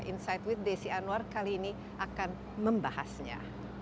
insight with desi anwar kali ini akan membahasnya